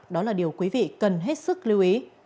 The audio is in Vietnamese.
đó là điều quý vị cần hết sức lưu ý